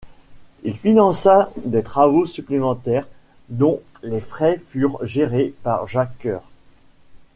Il finança des travaux supplémentaires, dont les frais furent gérés par Jacques Cœur.